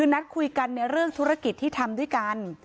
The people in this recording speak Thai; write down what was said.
นัดคุยกันในเรื่องธุรกิจที่ทำด้วยกัน